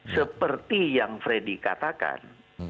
seperti yang freddy katakan